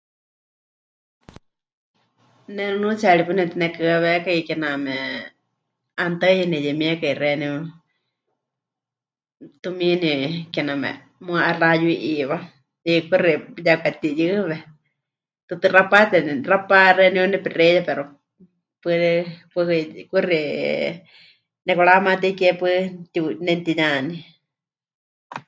Ne nunuutsiyari paɨ nepɨtinekɨhɨawékai kename 'anutaɨye neyemiekai xeeníu, tumiini kename muuwa 'aixɨ rayu'iiwa, hiikɨ kuxi ya pɨkatiyɨwe, tɨtɨ xapate, xapa xeeníu nepexeiya pero paɨ... paɨ... kuxi nepɨkaramaté ke paɨ mɨtiu... ne mɨtiyaní.